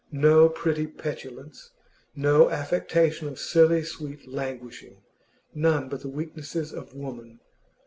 No pretty petulance, no affectation of silly sweet languishing, none of the weaknesses of woman.